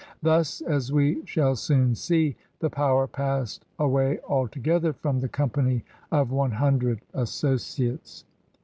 Thus, as we shall soon see, the power passed away altogether from the Company of One Hundred Associates.